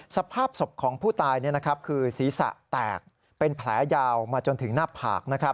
สภาพศพของผู้ตายคือศีรษะแตกเป็นแผลยาวมาจนถึงหน้าผาก